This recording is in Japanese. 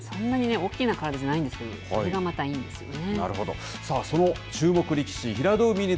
そんなに大きな体じゃないんですけど、これがまた、いいんですね。